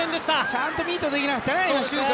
ちゃんとミートできなかったね。